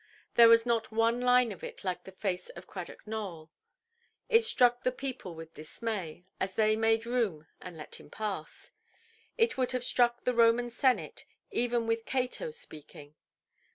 There was not one line of it like the face of Cradock Nowell. It struck the people with dismay, as they made room and let him pass; it would have struck the Roman senate, even with Cato speaking.